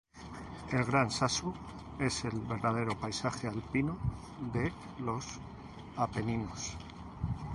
El Gran Sasso es el verdadero paisaje alpino de los Apeninos.